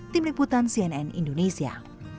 tim liputan cnn indonesia